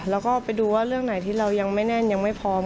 แล้วก็ไปดูว่าเรื่องไหนที่เรายังไม่แน่นยังไม่พร้อม